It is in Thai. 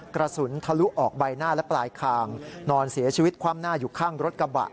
กระสุนทะลุออกใบหน้าและปลายคางนอนเสียชีวิตคว่ำหน้าอยู่ข้างรถกระบะ